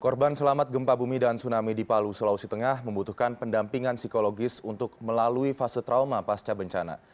korban selamat gempa bumi dan tsunami di palu sulawesi tengah membutuhkan pendampingan psikologis untuk melalui fase trauma pasca bencana